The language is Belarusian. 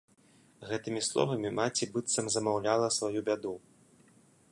Гэтымі словамі маці быццам замаўляла сваю бяду.